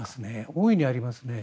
大いにありますね。